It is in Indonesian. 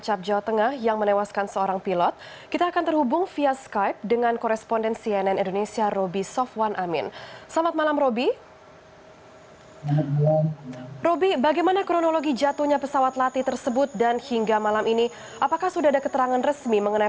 saya ingin menyampaikan informasi yang saya sampaikan terkait dengan kondisi jenazah